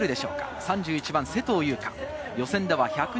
３１番・勢藤優花。